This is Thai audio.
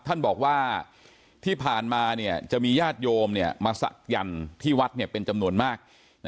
ท่านบอกว่าที่ผ่านมาจะมีญาติโยมมาศักยันต์ที่วัดเป็นจำนวนมาก